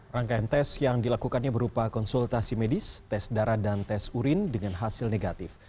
rangkaian tes yang dilakukannya berupa konsultasi medis tes darah dan tes urin dengan hasil negatif